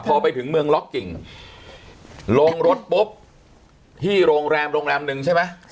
พอไปถึงเมืองล็อกกิ่งลงรถปุ๊บที่โรงแรมโรงแรมหนึ่งใช่ไหม